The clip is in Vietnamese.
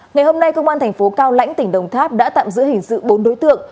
ngày hôm nay công an thành phố cao lãnh tỉnh đồng tháp đã tạm giữ hình sự bốn đối tượng